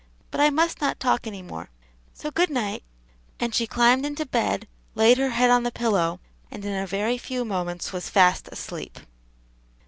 But I must not talk any more; so good night;" and she climbed into bed, laid her head on the pillow, and in a very few moments was fast asleep.